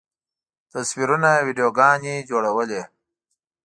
تصویرونه، ویډیوګانې جوړولی